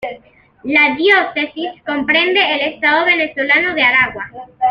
La diócesis comprende el estado venezolano de Aragua.